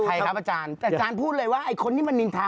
อาจารย์พูดเลยว่าไอ้คนนี้มันนินทา